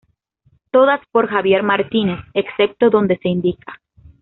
Todas por Javier Martínez, excepto donde se indica.